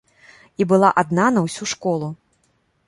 І была адна на ўсю школу.